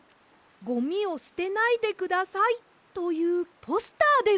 「ゴミをすてないでください」というポスターです！